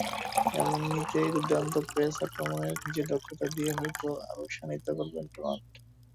এমনিতেই দুর্দান্ত পেস আক্রমণকে নিজের দক্ষতা দিয়ে হয়তো আরও শাণিত করবেন ডোনাল্ড।